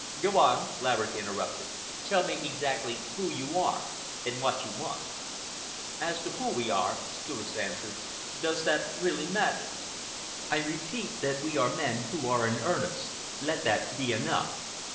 "Go on," Laverick interrupted. "Tell me exactly who you are and what you want." "As to who we are," Streuss answered, "does that really matter? I repeat that we are men who are in earnest—let that be enough.